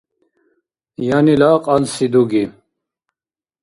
Янила кьанси дуги.